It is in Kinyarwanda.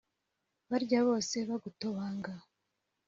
barya bose bagutobanga